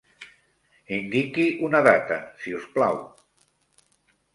Indiqui una data, si us plau.